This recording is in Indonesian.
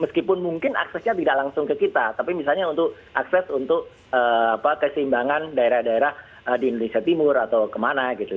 meskipun mungkin aksesnya tidak langsung ke kita tapi misalnya untuk akses untuk keseimbangan daerah daerah di indonesia timur atau kemana gitu